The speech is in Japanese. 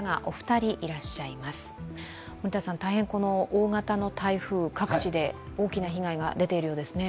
大型の台風、各地で大きな被害が出ているようですね？